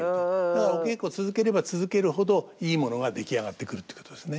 だからお稽古を続ければ続けるほどいいものが出来上がってくるってことですね。